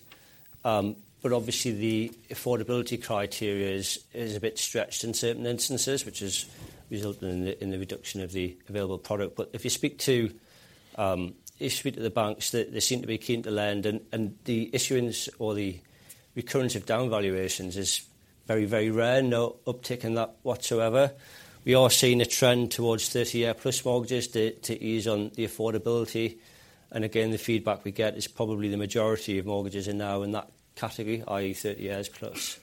but obviously, the affordability criteria is a bit stretched in certain instances, which is resulting in the reduction of the available product. But if you speak to the banks, they seem to be keen to lend, and the issuance or the recurrence of down valuations is very, very rare. No uptick in that whatsoever. We are seeing a trend towards 30 byear plus mortgages to ease on the affordability, and again, the feedback we get is probably the majority of mortgages are now in that category, i.e., 30 years plus.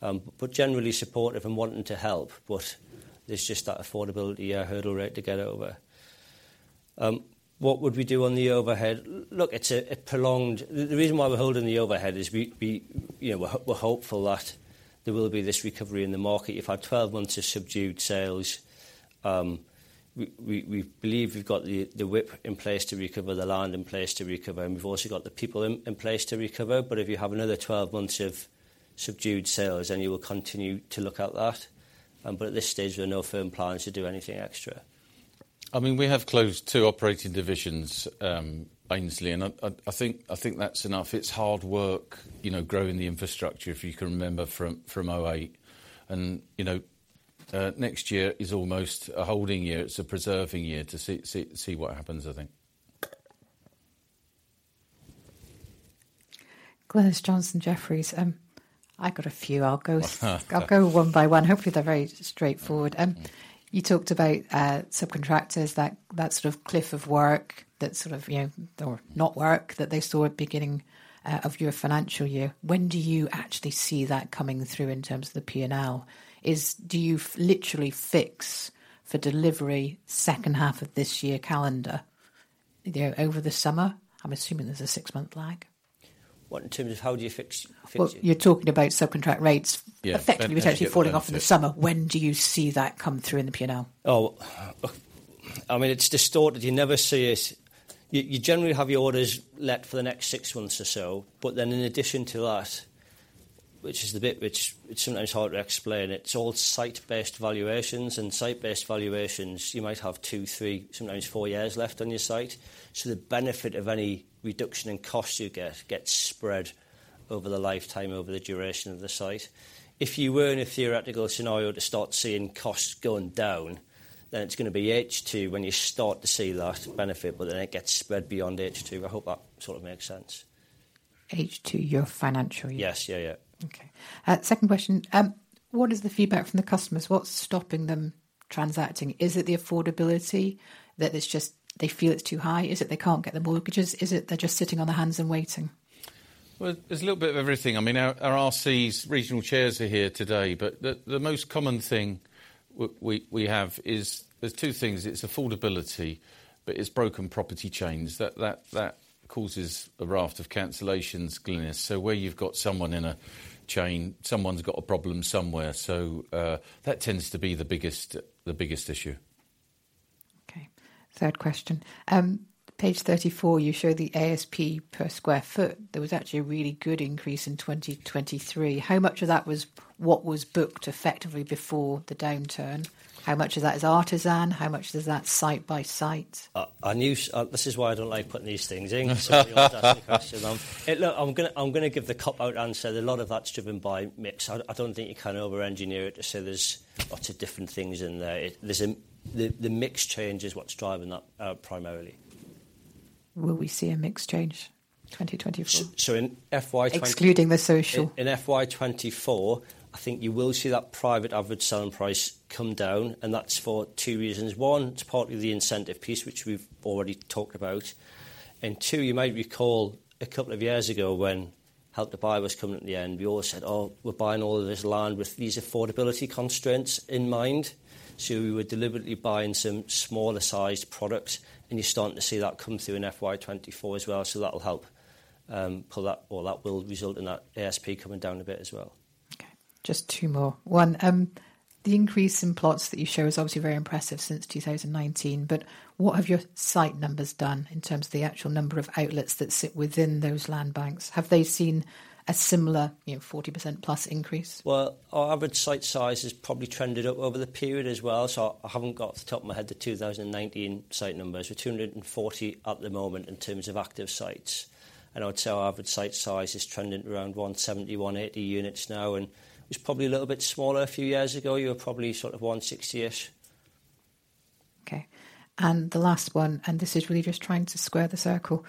But generally supportive and wanting to help, but there's just that affordability hurdle rate to get over. What would we do on the overhead? Look, it's a prolonged. The reason why we're holding the overhead is we, you know, we're hopeful that there will be this recovery in the market. You've had 12 months of subdued sales. We believe we've got the WIP in place to recover, the land in place to recover, and we've also got the people in place to recover. But if you have another 12 months of subdued sales, then you will continue to look at that. But at this stage, there are no firm plans to do anything extra. I mean, we have closed two operating divisions, Aynsley, and I think that's enough. It's hard work, you know, growing the infrastructure, if you can remember from 2008. And, you know, next year is almost a holding year. It's a preserving year to see what happens, I think. Glynis Johnson, Jefferies. I got a few. I'll go one by one. Hopefully, they're very straightforward. You talked about subcontractors, that sort of cliff of work, that sort of, you know, or not work, that they saw at beginning of your financial year. When do you actually see that coming through in terms of the P&L? Do you literally fix for delivery second half of this year calendar, you know, over the summer? I'm assuming there's a six-month lag. What, in terms of how do you fix it? Well, you're talking about subcontract rates- Yeah... effectively, potentially falling off in the summer. When do you see that come through in the P&L? I mean, it's distorted. You never see it. You generally have your orders let for the next six months or so, but then in addition to that, which is the bit which it's sometimes hard to explain, it's all site-based valuations. Site-based valuations, you might have two, three, sometimes four years left on your site. So the benefit of any reduction in costs you get, gets spread over the lifetime, over the duration of the site. If you were in a theoretical scenario to start seeing costs going down, then it's gonna be H2 when you start to see that benefit, but then it gets spread beyond H2. I hope that sort of makes sense. H2, your financial year? Yes. Yeah, yeah. Okay. Second question: What is the feedback from the customers? What's stopping them transacting? Is it the affordability, that it's just, they feel it's too high? Is it they can't get the mortgages? Is it they're just sitting on their hands and waiting? Well, there's a little bit of everything. I mean, our RCs, regional chairs, are here today, but the most common thing we have is... There's two things: It's affordability, but it's broken property chains. That causes a raft of cancellations, Glynis. So where you've got someone in a chain, someone's got a problem somewhere, so that tends to be the biggest issue. Okay. Third question: page 34, you show the ASP per sq ft. There was actually a really good increase in 2023. How much of that was what was booked effectively before the downturn? How much of that is Artisan? How much is that site by site? This is why I don't like putting these things in. So you ask the question, hey, look, I'm gonna, I'm gonna give the cop-out answer. A lot of that's driven by mix. I, I don't think you can over-engineer it, so there's lots of different things in there. It. There's the mix change is what's driving that, primarily. Will we see a mix change in 2024? In FY 20- Excluding the social. In FY 2024, I think you will see that private average selling price come down, and that's for two reasons: one, it's partly the incentive piece, which we've already talked about, and two, you might recall a couple of years ago, when Help to Buy was coming to the end, we all said, "Oh, we're buying all of this land with these affordability constraints in mind." So we were deliberately buying some smaller-sized products, and you're starting to see that come through in FY 2024 as well. So that'll help pull that, or that will result in that ASP coming down a bit as well. Okay, just two more. One, the increase in plots that you show is obviously very impressive since 2019, but what have your site numbers done in terms of the actual number of outlets that sit within those land banks? Have they seen a similar, you know, 40%+ increase? Well, our average site size has probably trended up over the period as well, so I haven't got off the top of my head the 2019 site numbers. We're 240 at the moment in terms of active sites, and I would say our average site size is trending around 170, 180 units now, and it was probably a little bit smaller a few years ago. We were probably sort of 160ish. Okay, and the last one, and this is really just trying to square the circle.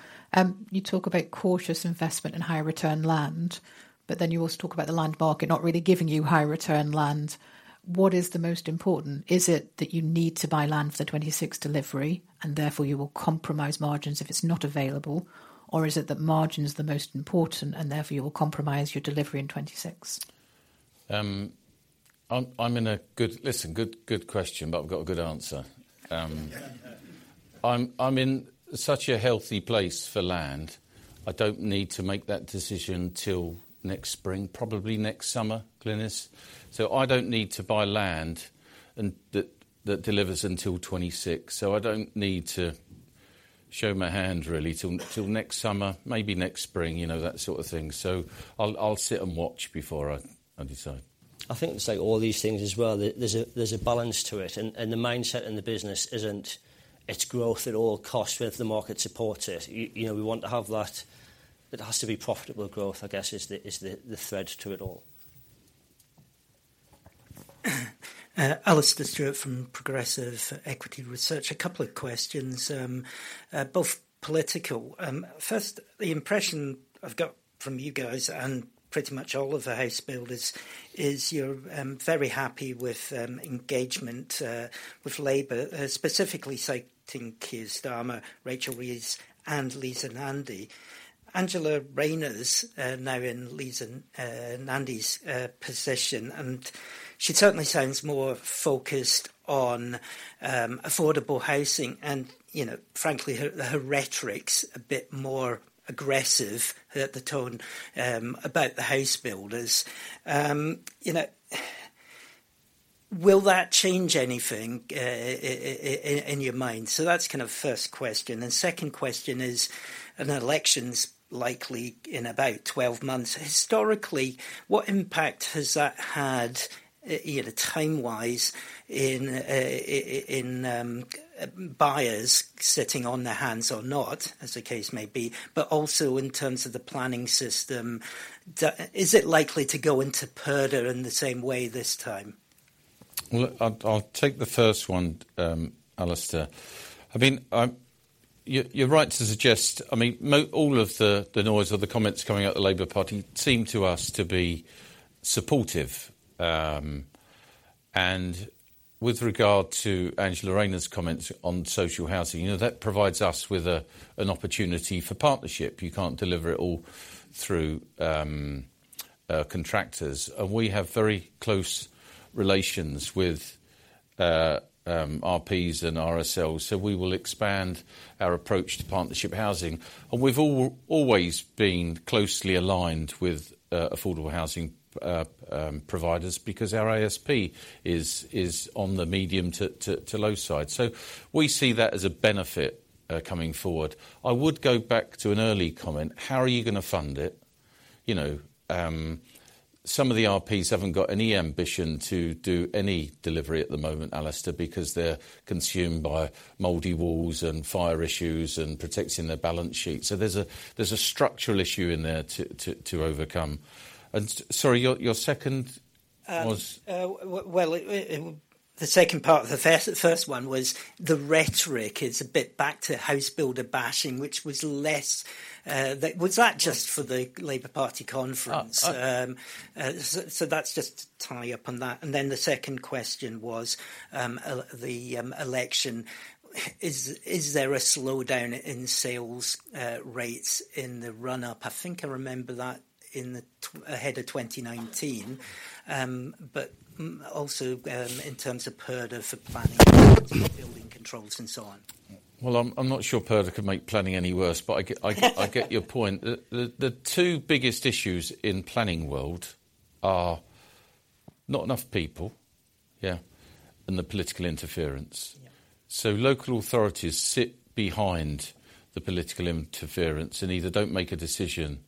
You talk about cautious investment in higher return land, but then you also talk about the land market not really giving you high return land. What is the most important? Is it that you need to buy land for the 2026 delivery, and therefore you will compromise margins if it's not available, or is it that margin is the most important, and therefore you will compromise your delivery in 2026? Listen, good question, but I've got a good answer. I'm in such a healthy place for land, I don't need to make that decision till next spring, probably next summer, Glynis. So I don't need to buy land and that delivers until 2026, so I don't need to show my hand really till next summer, maybe next spring, you know, that sort of thing. So I'll sit and watch before I decide. I think it's like all these things as well. There's a balance to it, and the mindset in the business isn't growth at all costs, whether the market supports it. You know, we want to have that. It has to be profitable growth, I guess, is the thread to it all. Alastair Stewart from Progressive Equity Research. A couple of questions, both political. First, the impression I've got from you guys and pretty much all of the house builders, is you're very happy with engagement with Labour, specifically citing Keir Starmer, Rachel Reeves, and Lisa Nandy. Angela Rayner's now in Lisa Nandy's position, and she certainly sounds more focused on affordable housing and, you know, frankly, her rhetoric's a bit more aggressive at the tone about the house builders. You know, will that change anything in your mind? So that's kind of first question. The second question is, an election's likely in about 12 months. Historically, what impact has that had, you know, time-wise, in buyers sitting on their hands or not, as the case may be, but also in terms of the planning system? Is it likely to go into purdah in the same way this time? Well, I'll take the first one, Alastair. I mean, you're right to suggest.. I mean, all of the noise or the comments coming out the Labour Party seem to us to be supportive. And with regard to Angela Rayner's comments on social housing, you know, that provides us with an opportunity for partnership. You can't deliver it all through contractors. And we have very close relations with RPs and RSLs, so we will expand our approach to partnership housing. And we've always been closely aligned with affordable housing providers because our ASP is on the medium to low side. So we see that as a benefit coming forward. I would go back to an early comment: How are you gonna fund it? You know, some of the RPs haven't got any ambition to do any delivery at the moment, Alastair, because they're consumed by moldy walls and fire issues and protecting their balance sheet. So there's a structural issue in there to overcome. And sorry, your second was? Well, the second part, the first one was the rhetoric is a bit back to house builder bashing, which was less. Was that just for the Labour Party conference? Uh, uh- So that's just to tie up on that. And then the second question was, the election. Is there a slowdown in sales rates in the run-up? I think I remember that in the ahead of 2019. But also, in terms of purdah for planning, building controls, and so on. Well, I'm not sure Purdah could make planning any worse, but I get your point. The two biggest issues in planning world are not enough people, yeah, and the political interference. Yeah. So local authorities sit behind the political interference and either don't make a decision,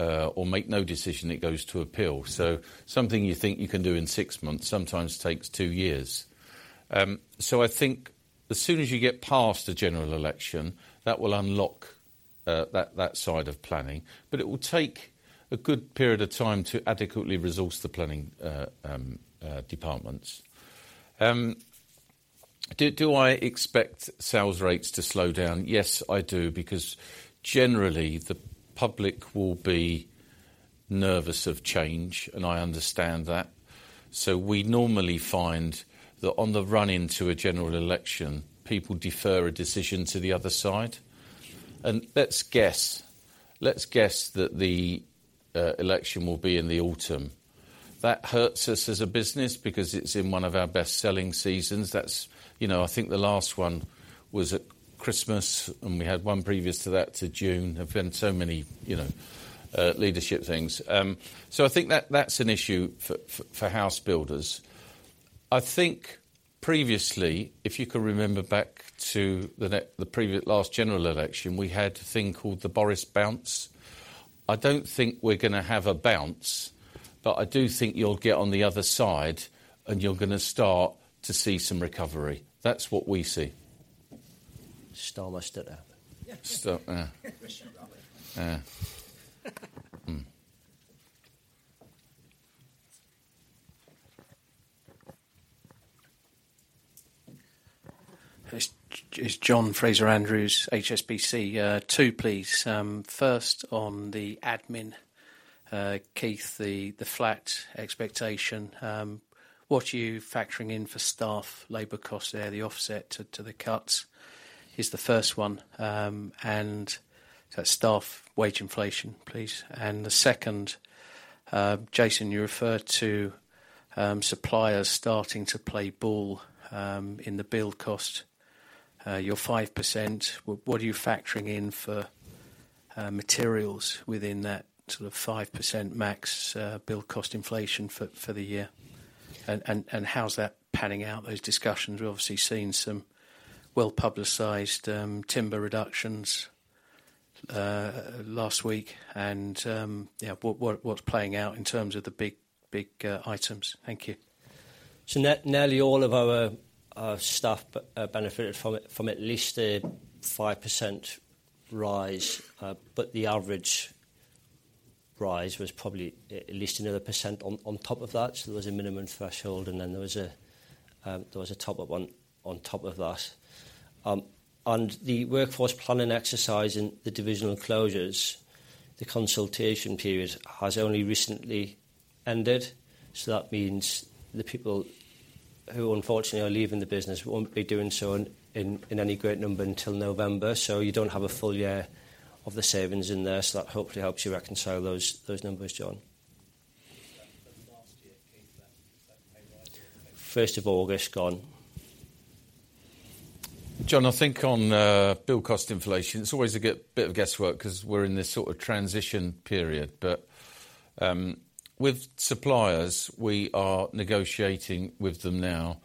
or make no decision. It goes to appeal. So something you think you can do in six months sometimes takes two years. So I think as soon as you get past a general election, that will unlock, that, that side of planning, but it will take a good period of time to adequately resource the planning departments. Do I expect sales rates to slow down? Yes, I do, because generally, the public will be nervous of change, and I understand that. So we normally find that on the run into a general election, people defer a decision to the other side. And let's guess, let's guess that the election will be in the autumn. That hurts us as a business because it's in one of our best-selling seasons. That's, you know, I think the last one was at Christmas, and we had one previous to that to June. There've been so many, you know, leadership things. So I think that, that's an issue for house builders. I think previously, if you can remember back to the previous last general election, we had a thing called the Boris bounce. I don't think we're gonna have a bounce, but I do think you'll get on the other side, and you're gonna start to see some recovery. That's what we see. Starmer stood out. Sto- Uh. Christian. Uh. Mm. It's John Fraser-Andrews, HSBC. Two, please. First on the admin, Keith, the flat expectation, what are you factoring in for staff labor costs there, the offset to the cuts? Is the first one. And so staff wage inflation, please. And the second, Jason, you referred to suppliers starting to play ball in the build cost, your 5%, what are you factoring in for materials within that sort of 5% max, build cost inflation for the year? And how's that panning out, those discussions? We've obviously seen some well-publicized timber reductions last week, and yeah, what's playing out in terms of the big items? Thank you. So nearly all of our staff benefited from it, from at least a 5% rise, but the average rise was probably at least another 1% on top of that. So there was a minimum threshold, and then there was a top-up one on top of that. And the workforce planning exercise and the divisional closures, the consultation period has only recently ended, so that means the people who unfortunately are leaving the business won't be doing so in any great number until November. So you don't have a full year of the savings in there, so that hopefully helps you reconcile those numbers, John. First of August, gone. John, I think on bill cost inflation, it's always a good bit of guesswork 'cause we're in this sort of transition period. But with suppliers, we are negotiating with them now,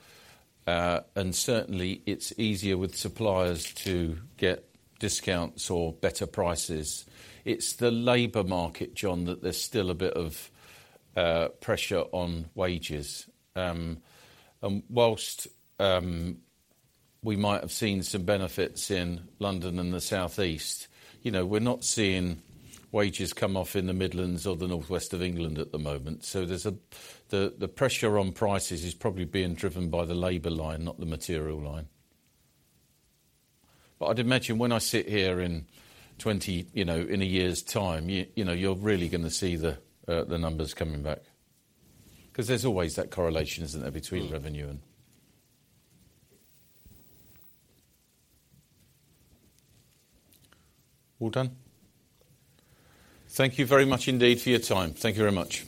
and certainly it's easier with suppliers to get discounts or better prices. It's the labor market, John, that there's still a bit of pressure on wages. And whilst we might have seen some benefits in London and the South East, you know, we're not seeing wages come off in the Midlands or the North West of England at the moment. So the pressure on prices is probably being driven by the labor line, not the material line. I'd imagine when I sit here in 20, you know, in a year's time, you know, you're really gonna see the numbers coming back, 'cause there's always that correlation, isn't there, between revenue and- Well done. Thank you very much indeed for your time. Thank you very much.